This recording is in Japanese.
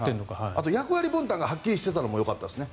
あと、役割分担がはっきりしていたのもよかったですね。